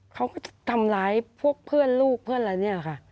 เขาก็ทำร้ายพวกเพื่อนลูกเพื่อนอะไรเนี่ยค่ะ